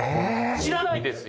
知らないですよ。